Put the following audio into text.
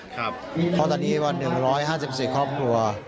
เพราะตอนนี้วันหนึ่งร้อยห้าสิบสิบครอบครัว